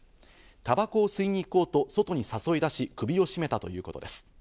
タバコを吸いに行こうと外に誘い出し、首を絞めたということです。